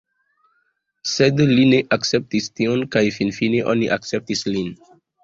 Sed li ne akceptis tion kaj finfine oni akceptis lin.